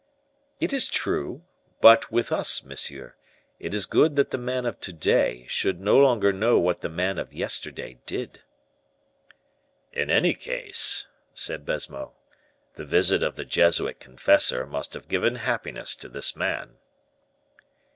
"It is true. But with us, monsieur, it is good that the man of to day should no longer know what the man of yesterday did." "In any case," said Baisemeaux, "the visit of the Jesuit confessor must have given happiness to this man."